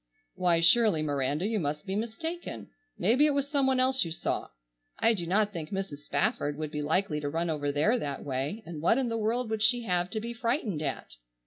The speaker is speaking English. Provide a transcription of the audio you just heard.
"Why, surely, Miranda, you must be mistaken. Maybe it was some one else you saw. I do not think Mrs. Spafford would be likely to run over there that way, and what in the world would she have to be frightened at?"